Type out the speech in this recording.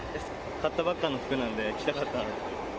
買ったばっかの服なので、着たかったんで。